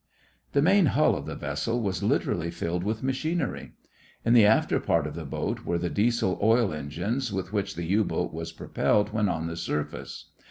The main hull of the vessel was literally filled with machinery. In the after part of the boat were the Diesel oil engines with which the U boat was propelled when on the surface.